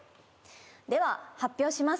では発表します。